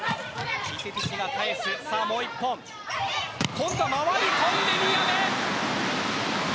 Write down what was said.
今度は回り込んで宮部。